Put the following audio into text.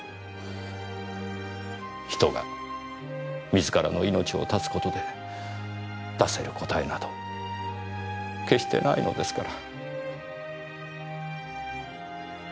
人が自らの命を絶つ事で出せる答えなど決してないのですから。